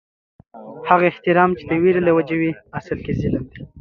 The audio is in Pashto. هغه احترام چې د وېرې له وجې وي، اصل کې ظلم دي